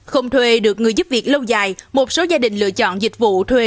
không thuê được người giúp việc lâu dài một số gia đình lựa chọn dịch vụ thuê